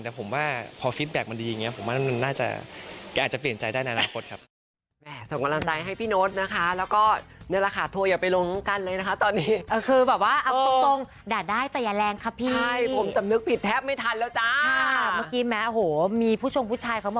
แต่ผมว่าพอฟิตแบ็คมันดีอย่างนี้ผมว่ามันน่าจะแกอาจจะเปลี่ยนใจได้ในอนาคตครับ